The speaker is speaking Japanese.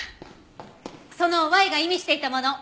そのＹが意味していたもの